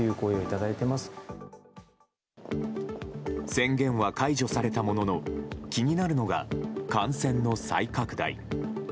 宣言は解除されたものの気になるのが感染の再拡大。